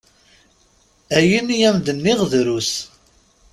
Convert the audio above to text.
Ayen i am-d-nniɣ drus.